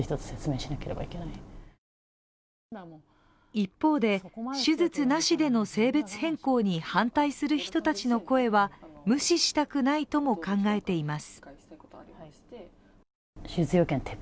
一方で、手術なしでの性別変更に反対する人たちの声は無視したくないとも考えています。